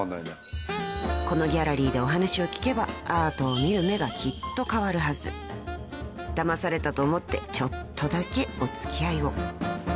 ［このギャラリーでお話を聞けばアートを見る目がきっと変わるはず］［だまされたと思ってちょっとだけお付き合いを］